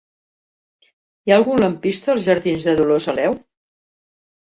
Hi ha algun lampista als jardins de Dolors Aleu?